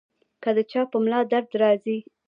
کۀ د چا پۀ ملا درد راځي -